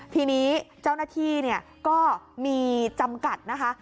ทีนี้เจ้าหน้าที่ก็มีจำกัดนะคะ